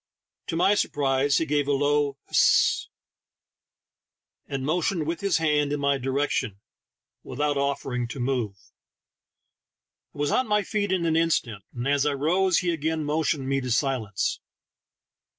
To my sur prise he gave a low "Hist!" and motioned with his hand in my direction, without offering to move. I was on my feet in an instant, and as I rose he again motioned me to silence.